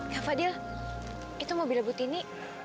ya fadil itu mobile butini